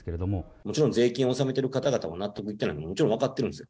もちろん税金を納めてる方々が納得いってないのももちろん分かってるんですよ。